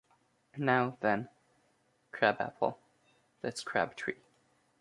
"Now, then, Crabapple..." "That's Crabtree.